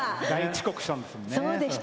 大遅刻したんですよね。